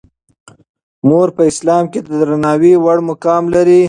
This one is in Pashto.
مور په اسلام کې د درناوي وړ مقام لري.